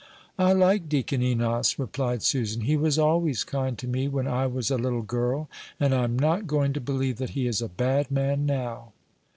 "I like Deacon Enos," replied Susan; "he was always kind to me when I was a little girl, and I am not going to believe that he is a bad man now."